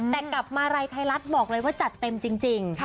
แต่กลับมาลัยไทยรัฐบอกเลยว่าจัดเต็มจริง